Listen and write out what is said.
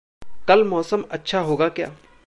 कल मौसम अच्छा होगा क्या?